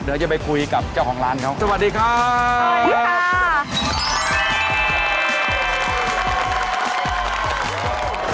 เดี๋ยวจะไปคุยกับเจ้าของร้านเขาสวัสดีครับ